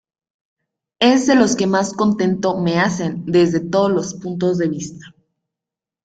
Es de los que más contento me hacen, desde todos los puntos de vista.